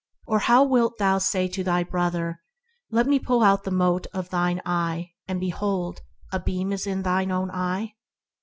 Or how wilt thou say to thy brother, Let me pull out the mote out of thine eye; and, behold, a beam is in thine own eye